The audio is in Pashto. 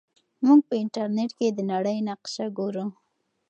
موږ په انټرنیټ کې د نړۍ نقشه ګورو.